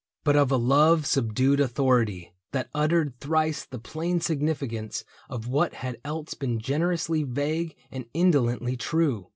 But of a love subdued authority That uttered thrice the plain significance Of what had else been generously vague And indolently true.